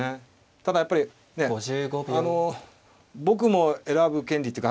ただやっぱりねあの僕も選ぶ権利っていうか。